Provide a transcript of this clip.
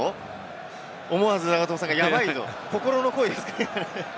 思わず永友さんがやばいと、心の声ですか？